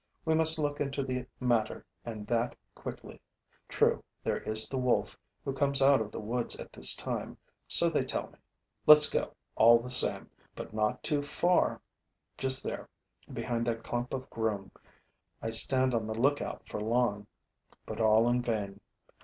We must look into the matter and that quickly. True, there is the wolf, who comes out of the woods at this time, so they tell me. Let's go all the same, but not too far: just there, behind that clump of groom. I stand on the look out for long, but all in vain.